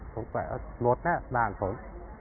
ผมแกะหมดแล้วบ้านผม